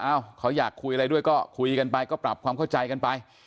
เขาอยากคุยอะไรด้วยก็คุยกันไปก็ปรับความเข้าใจกันไป